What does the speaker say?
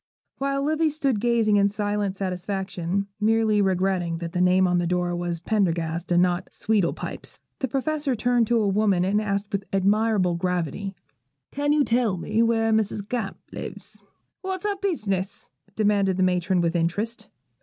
While Livy stood gazing in silent satisfaction (merely regretting that the name on the door was Pendergast, not Sweedle pipes), the Professor turned to a woman, and asked with admirable gravity, 'Can you tell me where Mrs. Gamp lives?' 'What's her business?' demanded the matron, with interest.